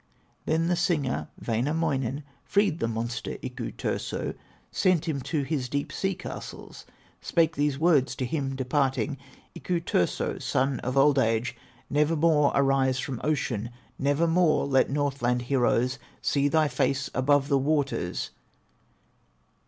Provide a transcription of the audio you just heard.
Then the singer, Wainamoinen, Freed the monster, Iku Turso, Sent him to his deep sea castles, Spake these words to him departing: "Iku Turso, son of Old age, Nevermore arise from ocean, Nevermore let Northland heroes See thy face above the waters!"